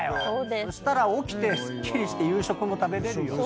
そしたら起きてすっきりして夕食も食べれるよ。